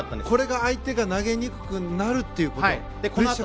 これが相手が投げにくくなるということ。